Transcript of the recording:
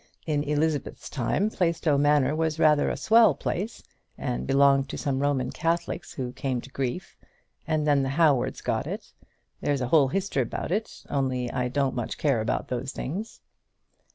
In Elizabeth's time Plaistow Manor was rather a swell place, and belonged to some Roman Catholics who came to grief, and then the Howards got it. There's a whole history about it, only I don't much care about those things."